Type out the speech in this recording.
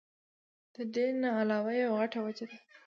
د دې نه علاوه يوه غټه وجه